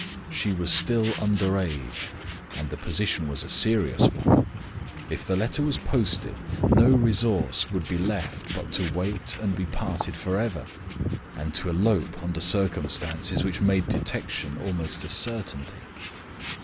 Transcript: She was still under age, and the position was a serious one. If the letter was posted, no resource would be left but to wait and be parted forever, or to elope under circumstances which made detection almost a certainty.